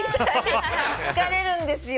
疲れるんですよ。